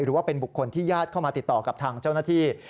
หรือว่าเป็นบุคคลที่ญาติเข้ามาติดต่อกับทางเจ้าหน้าที่